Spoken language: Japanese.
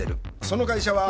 その会社は。